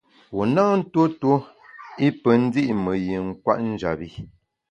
Wu na ntuo tuo i pe ndi’ me yin kwet njap bi.